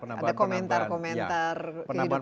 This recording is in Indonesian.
ada komentar komentar kehidupan